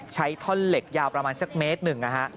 ใช้ท่อนเหล็กยาวประมาณสักเมตรหนึ่ง